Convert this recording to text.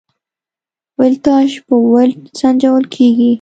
ولتاژ په ولټ سنجول کېږي.